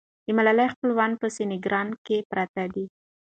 د ملالۍ خپلوان په سینګران کې پراته دي.